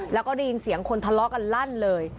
แล้วก็ได้ยินเสียงคนทะเลาะกันลั่นเลย